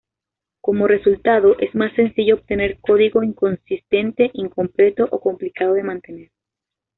Como resultado, es más sencillo obtener código inconsistente, incompleto o complicado de mantener.